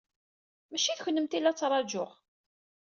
Maci d kennemti ay la ttṛajuɣ.